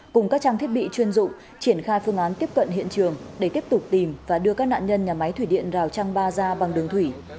cùng các trang thiết bị chuyên dụng triển khai phương án tiếp cận hiện trường để tiếp tục tìm và đưa các nạn nhân nhà máy thủy điện rào trăng ba ra bằng đường thủy